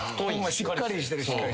しっかりしてる。